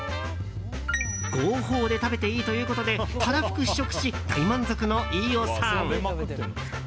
合法で食べていいということでたらふく試食し大満足の飯尾さん。